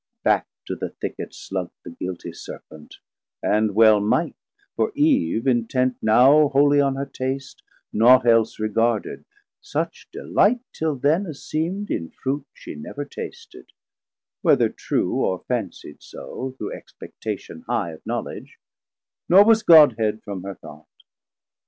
Back to the Thicket slunk The guiltie Serpent, and well might, for Eve Intent now wholly on her taste, naught else Regarded, such delight till then, as seemd, In Fruit she never tasted, whether true Or fansied so, through expectation high Of knowledg, nor was God head from her thought.